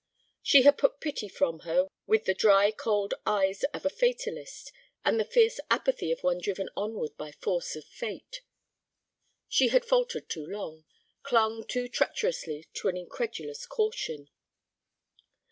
She had put pity from her with the dry cold eyes of a fatalist and the fierce apathy of one driven onward by force of fate. She had faltered too long, clung too treacherously to an incredulous caution.